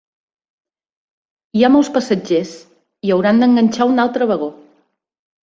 Hi ha molts passatgers: hi hauran d'enganxar un altre vagó.